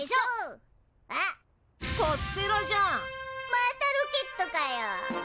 またロケットかよ。